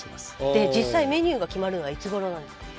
で実際メニューが決まるのはいつごろなんですか？